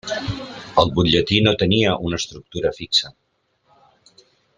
El butlletí no tenia una estructura fixa.